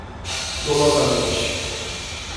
dolosamente